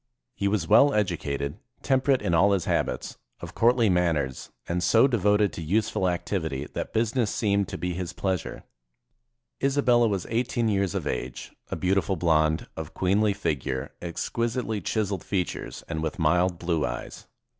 He was well edu cated, temperate in all his habits, of courtly manners, and so devoted to useful activity that business seemed to be his pleasure. Isabella was eighteen years of age, a beautiful blonde, of queenly figure, exquisitely chis eled features, and with mild blue eyes.